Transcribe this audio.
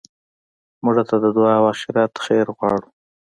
مړه ته د دنیا او آخرت خیر غواړو